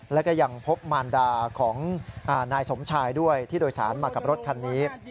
แล้วก็ยังพบมารดาของนายสมชายด้วยที่โดยสารมากับรถคันนี้